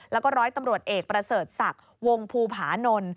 แล้วก็ร้อยตำรวจเอกประเสริฐศักดิ์วงภูผานนท์